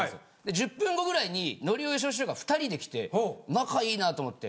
１０分後ぐらいにのりお・よしお師匠が２人で来て仲いいなと思って。